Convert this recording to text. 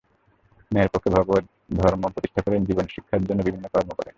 ন্যায়ের পক্ষে ভগবদ্ ধর্ম প্রতিষ্ঠা করে জীবশিক্ষার জন্য বিভিন্ন কর্ম করেন।